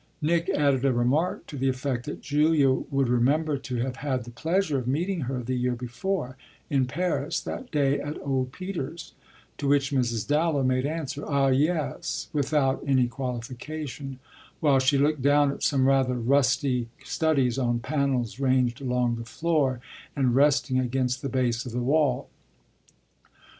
Nick added a remark to the effect that Julia would remember to have had the pleasure of meeting her the year before in Paris, that day at old Peter's; to which Mrs. Dallow made answer, "Ah yes," without any qualification, while she looked down at some rather rusty studies on panels ranged along the floor and resting against the base of the wall.